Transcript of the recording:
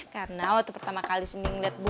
karena waktu pertama kali cindy ngeliat boba